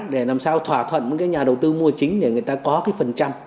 để làm sao thỏa thuận với cái nhà đầu tư mua chính để người ta có cái phần trăm